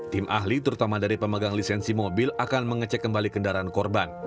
tim ahli terutama dari pemegang lisensi mobil akan mengecek kembali kendaraan korban